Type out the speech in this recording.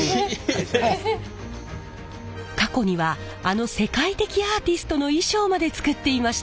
過去にはあの世界的アーティストの衣装まで作っていました！